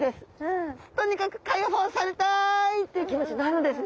とにかく解放されたいっていう気持ちになるんですね。